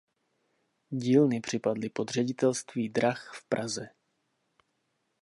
Dílny připadly pod ředitelství drah v Praze.